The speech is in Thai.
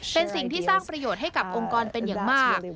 เป็นสิ่งที่สร้างประโยชน์ให้กับองค์กรเป็นอย่างมาก